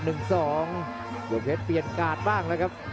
โดยเพชรเปลี่ยนการ์ดบ้างนะครับ